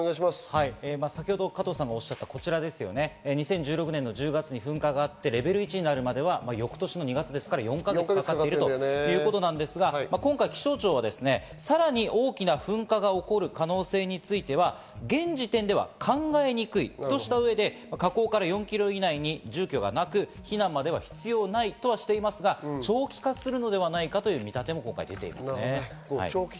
先ほど加藤さんがおっしゃったこちら、２０１６年の１０月に噴火があってレベル１になるまでは翌年の２月ですから、４か月ということですが、今回気象庁は、さらに大きな噴火が起こる可能性については、現時点では考えにくいとした上で、火口から４ｋｍ以内に住居はなく、避難までは必要ないとしていますが、長期化するのではないかという見立ても今回出ています。